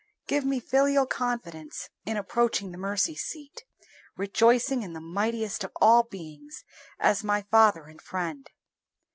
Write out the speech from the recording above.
Give me filial confidence in approaching the mercy seat, rejoicing in the mightiest of all Beings as my Father and Friend.